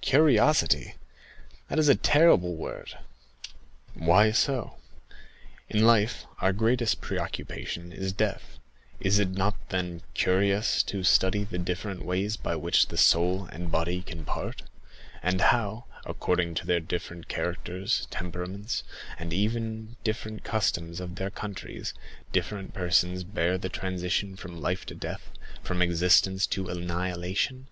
"Curiosity—that is a terrible word." "Why so? In life, our greatest preoccupation is death; is it not then, curious to study the different ways by which the soul and body can part; and how, according to their different characters, temperaments, and even the different customs of their countries, different persons bear the transition from life to death, from existence to annihilation?